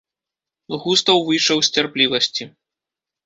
Густаў выйшаў з цярплівасці.